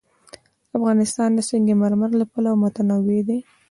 افغانستان د سنگ مرمر له پلوه متنوع دی.